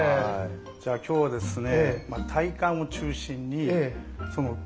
じゃあ今日はですね